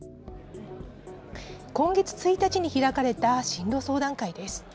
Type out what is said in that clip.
今月１日に開かれた進路相談会です。